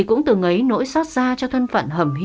còn hai đứa thì còn nhỏ